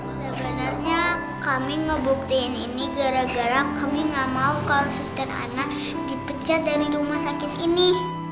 sebenarnya kami ngebuktiin ini gara gara kami gak mau kalau suster anak dipecat dari rumah sakit ini